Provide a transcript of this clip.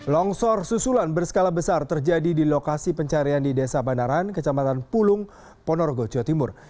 longsor susulan berskala besar terjadi di lokasi pencarian di desa banaran kecamatan pulung ponorogo jawa timur